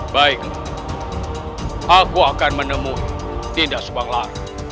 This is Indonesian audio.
baiklah aku akan menemui dinda subanglar